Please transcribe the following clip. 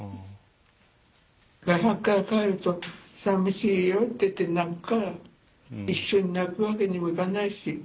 外泊から帰るとさびしいよって言って泣くから一緒に泣くわけにもいかないし。